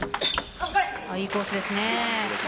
いいコースですね。